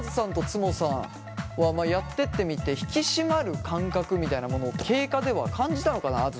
んとつもさんはやってってみて引き締まる感覚みたいなものを経過では感じたのかな？